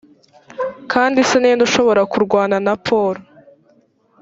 kandi se ni nde ushobora kurwana na polo